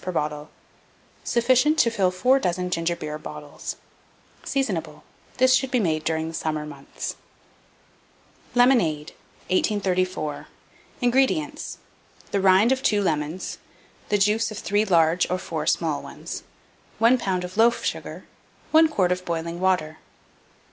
per bottle. Sufficient to fill 4 dozen ginger beer bottles. Seasonable. This should be made during the summer months. LEMONADE. 1834. INGREDIENTS The rind of 2 lemons, the juice of 3 large or 4 small ones, 1 lb. of loaf sugar, 1 quart of boiling water.